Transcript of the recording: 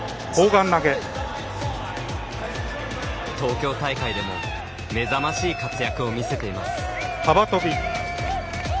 東京大会でも目覚ましい活躍を見せています。